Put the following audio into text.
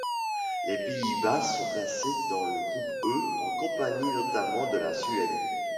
Les Pays-Bas sont placés dans le groupe E en compagnie notamment de la Suède.